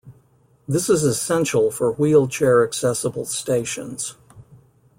This is essential for wheelchair accessible stations.